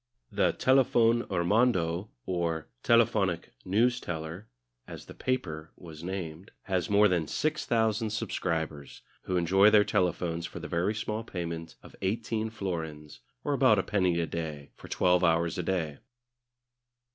The Telefon Hirmondo or "Telephonic Newsteller," as the "paper" was named, has more than six thousand subscribers, who enjoy their telephones for the very small payment of eighteen florins, or about a penny a day, for twelve hours a day.